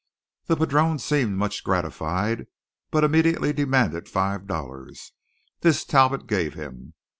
The padrone seemed much gratified; but immediately demanded five dollars. This Talbot gave him.